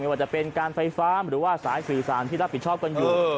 ว่าจะเป็นการไฟฟ้าหรือว่าสายสื่อสารที่รับผิดชอบกันอยู่